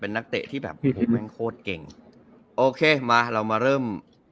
นักเตะที่แบบโอ้โหแม่งโคตรเก่งโอเคมาเรามาเริ่ม